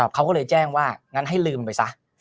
เขาก็เลยแจ้งว่างั้นให้ลืมไปซะ